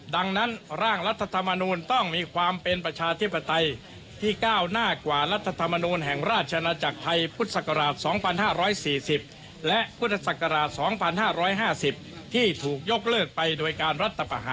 ดังนั้นร่างรัฐธรรมนูญต้องมีความเป็นประชาธิปไตยที่ก้าวหน้ากว่ารัฐธรรมนูญแห่งราชนาจักรไทยพุทธศักราช๒๕๔๐และพุทธศักราช๒๕๕๐